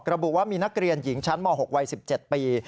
ระบุว่ามีนักเรียนหญิงชั้นม๖วัย๑๗ปี